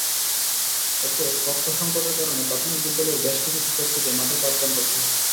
এতে কক্ষসংকটের কারণে প্রাথমিক বিদ্যালয়ের বেশকিছু শিক্ষার্থীকে মাঠে পাঠদান করতে হচ্ছে।